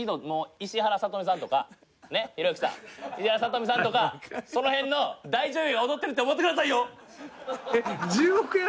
石原さとみさんとかその辺の大女優が踊っていると思ってくださいよ！